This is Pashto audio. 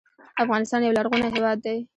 افغانستان یو لرغونی هیواد دی